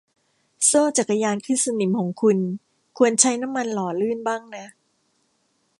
โซ่จักรยานขึ้นสนิมของคุณควรใช้น้ำมันหล่อลื่นบ้างนะ